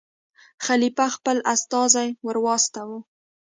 خلیفه خپل استازی ور واستاوه.